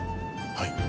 はい。